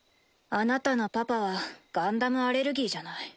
あなたのパパはガンダムアレルギーじゃない。